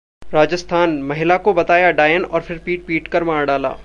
राजस्थानः महिला को बताया 'डायन' और फिर पीट-पीटकर मार डाला